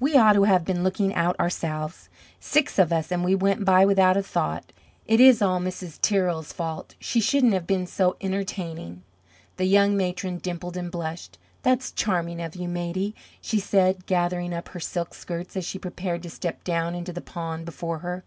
"We ought to have been looking out ourselves! Six of us, and we went by without a thought! It is all Mrs. Tirrell's fault! She shouldn't have been so entertaining!" The young matron dimpled and blushed. "That's charming of you, Maidie," she said, gathering up her silk skirts as she prepared to step down into the pond before her.